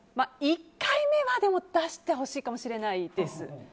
１回目は出してほしいかもしれないです。